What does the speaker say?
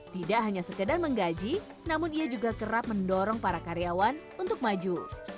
tidak hanya sekedar menggaji namun ia juga kerap mendorong para karyawan untuk maju